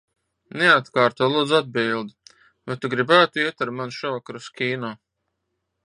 Neatkārto, lūdzu, atbildi. Vai tu gribētu iet ar mani šovakar uz kino?